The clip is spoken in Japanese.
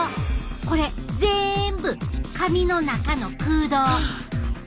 これぜんぶ髪の中の空洞！